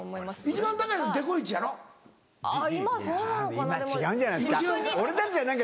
今違うんじゃないですか？